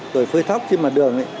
rồi phơi thóc trên mặt đường